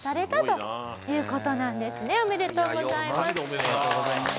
ありがとうございます。